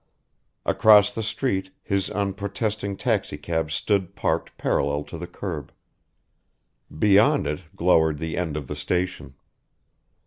Across the street his unprotesting taxicab stood parked parallel to the curb; beyond it glowered the end of the station.